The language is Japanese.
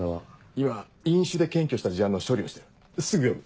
今飲酒で検挙した事案の処理をしてるすぐ呼ぶ。